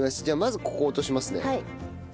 じゃあまずここを落としますね。